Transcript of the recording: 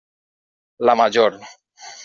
La major.